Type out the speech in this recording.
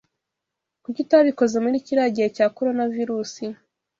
Kuki utabikoze muri kiriya gihe cya Coronavirus?